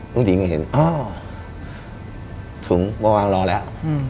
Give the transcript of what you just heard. ลุงสิงก็เห็นอ้าวถึงวางรอแล้ว